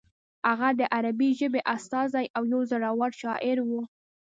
هغه د عربي ژبې استازی او یو زوړور شاعر و.